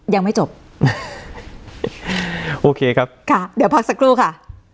ยังไม่จบโอเคครับค่ะเดี๋ยวพักสักครู่ค่ะ